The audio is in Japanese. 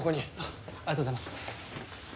ありがとうございます。